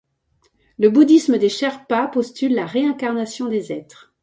Le bouddhisme des Sherpas postule la réincarnation des êtres.